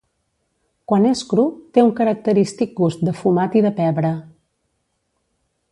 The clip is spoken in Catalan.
Quan és cru té un característic gust de fumat i de pebre.